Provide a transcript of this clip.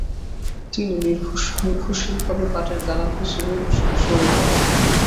তিনি "নির্ভরশীলভাবে পাটের দালাল হিসাবে" শুরু করেন।